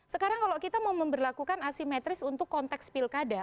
sekarang kalau kita mau memperlakukan asimetris untuk konteks pilkada